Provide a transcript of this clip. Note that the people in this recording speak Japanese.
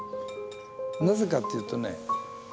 なぜかっていうとね